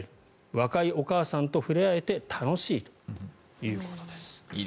若いお母さんと触れ合えて楽しいということです。